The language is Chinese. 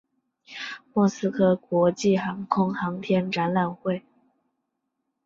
莫斯科国际航空航天展览会。